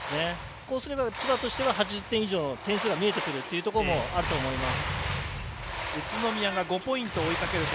こうすれば千葉とすれば８０点以上の点数が見えてくるというところもあると思います。